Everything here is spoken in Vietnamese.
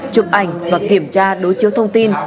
chụp ảnh và kiểm tra đối chiếu thông tin